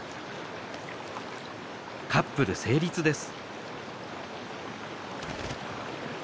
カップル成立です。